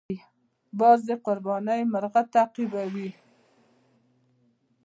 باز د قرباني مرغه تعقیبوي